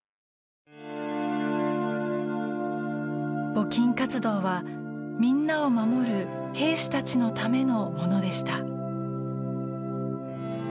募金活動は、みんなを守る兵士たちのためのものでした。